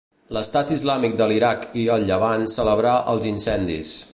L'Estat Islàmic de l'Iraq i el Llevant celebrà els incendis.